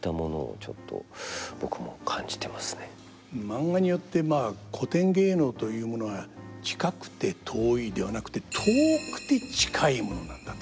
マンガによってまあ古典芸能というものは近くて遠いではなくて遠くて近いものなんだと。